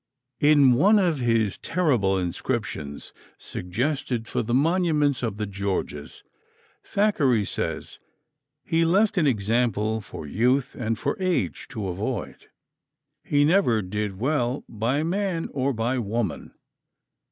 In one of his terrible inscriptions suggested for the monuments of the Georges, Thackeray says, "He left an example for youth and for age to avoid. He never did well by man or by woman."